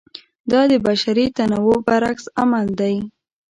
دا د بشري تنوع برعکس عمل دی.